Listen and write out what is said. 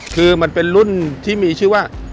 คือมันเป็นรุ่นที่มีชื่อว่า